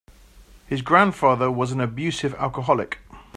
His grandfather was an abusive alcoholic.